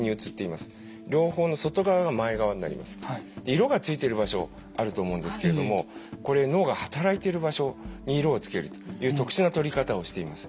色がついてる場所あると思うんですけれどもこれ脳が働いている場所に色をつけるという特殊な撮り方をしています。